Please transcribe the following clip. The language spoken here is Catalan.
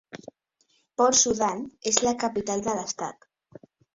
Port Sudan és la capital de l'estat.